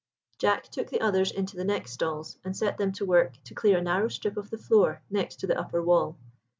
Jack took the others into the next stalls and set them to work to clear a narrow strip of the floor next to the upper wall.